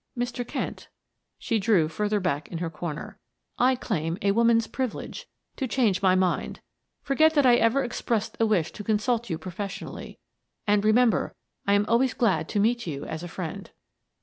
"Mr. Kent," she drew further back in her corner. "I claim a woman's privilege to change my mind. Forget that I ever expressed a wish to consult you professionally, and remember, I am always glad to meet you as a friend."